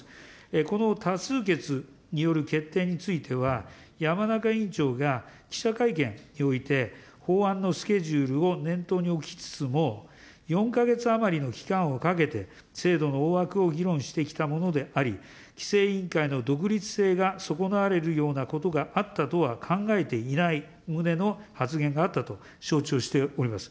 この多数決による決定については、山中委員長が、記者会見において、法案のスケジュールを念頭に置きつつも、４か月余りの期間をかけて、制度の大枠を議論してきたものであり、規制委員会の独立性が損なわれるようなことがあったとは考えていない旨の発言があったと承知をしております。